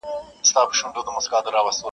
له خوراکه یې د غوښو ځان ساتلی -